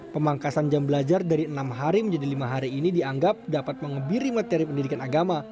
pemangkasan jam belajar dari enam hari menjadi lima hari ini dianggap dapat mengebiri materi pendidikan agama